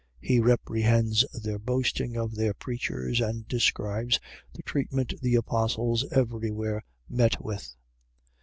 He reprehends their boasting of their preachers and describes the treatment the apostles every where met with.